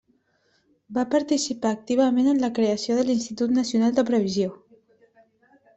Va participar activament en la creació de l'Institut Nacional de Previsió.